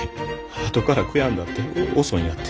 あとから悔やんだって遅いんやて。